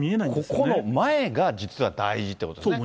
ここの前が実は大事ということですね。